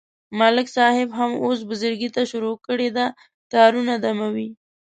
ملک صاحب هم اوس بزرگی ته شروع کړې ده، تارونه دموي.